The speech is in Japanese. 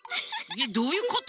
えっどういうこと？